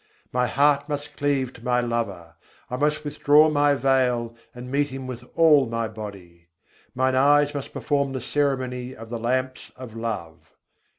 My heart must cleave to my Lover; I must withdraw my veil, and meet Him with all my body: Mine eyes must perform the ceremony of the lamps of love.